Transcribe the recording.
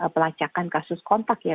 pelacakan kasus kontak ya